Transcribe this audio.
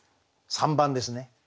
３番ですね。